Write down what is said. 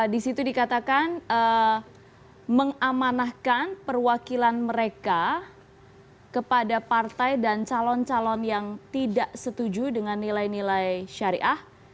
di situ dikatakan mengamanahkan perwakilan mereka kepada partai dan calon calon yang tidak setuju dengan nilai nilai syariah